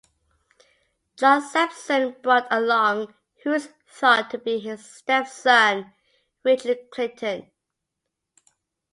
John Sampson brought along who is thought to be his step-son Richard Clinton.